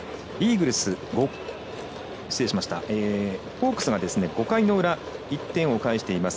ホークスが５回の裏１点をかえしています。